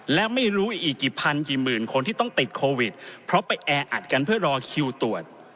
และไม่รู้อีกกี่พันกี่หมื่นคนที่ต้องติดโควิดเพราะไปแออัดกันเพื่อรอคิวตรวจ